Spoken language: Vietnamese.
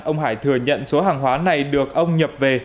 ông hải thừa nhận số hàng hóa này được ông nhập về